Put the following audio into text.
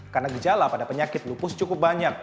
karena gejala pada penyakit lupus cukup banyak